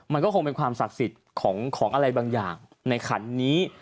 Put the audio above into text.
มันก็คงเป็นความศักดิ์สิทธิ์ของอะไรบางอย่างในขันนี้